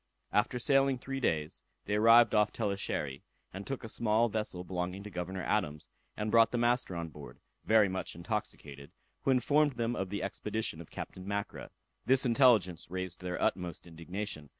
After sailing three days, they arrived off Tellechery, and took a small vessel belonging to Governor Adams, and brought the master on board, very much intoxicated, who informed them of the expedition of Captain Mackra. This intelligence raised their utmost indignation.